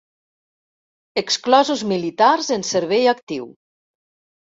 Exclosos militars en servei actiu.